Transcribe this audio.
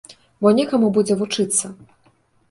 Бо некаму будзе вучыцца.